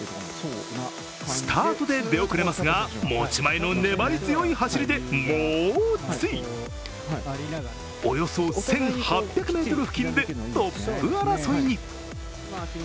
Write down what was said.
スタートで出遅れますが持ち前の粘り強い走りで、モ追およそ１８００ｍ付近でトップ争いに。